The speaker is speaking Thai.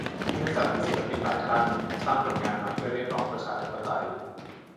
เนื่องจากมีศิลปินหลายท่านสร้างผลงานมาเพื่อเรียกร้องประชาธิปไตย